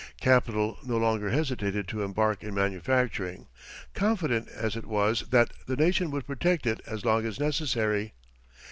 Capital no longer hesitated to embark in manufacturing, confident as it was that the nation would protect it as long as necessary.